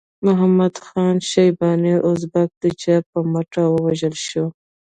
محمد خان شیباني ازبک د چا په مټ ووژل شو؟